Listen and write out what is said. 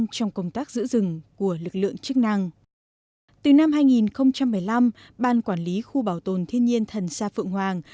từ năm hai nghìn một mươi năm ban quản lý khu bảo tồn thiên nhiên thần sa phượng hoàng